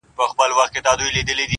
مُلا وویله خدای مي نګهبان دی-